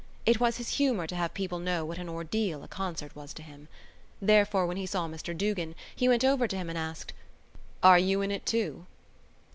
It was his humour to have people know what an ordeal a concert was to him. Therefore when he saw Mr Duggan he went over to him and asked: "Are you in it too?"